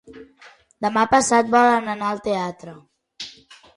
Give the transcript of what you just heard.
Demà passat volen anar al teatre.